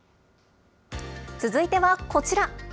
続いてはこちら。